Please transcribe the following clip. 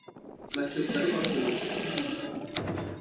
बस चुप करो और सुनो!